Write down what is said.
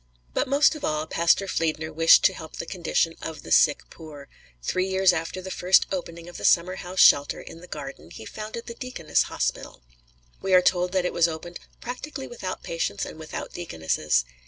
But most of all Pastor Fliedner wished to help the condition of the sick poor; three years after the first opening of the summerhouse shelter in the garden he founded the Deaconess Hospital. We are told that it was opened "practically without patients and without deaconesses."